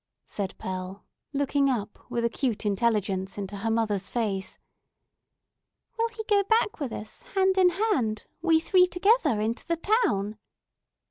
said Pearl, looking up with acute intelligence into her mother's face. "Will he go back with us, hand in hand, we three together, into the town?"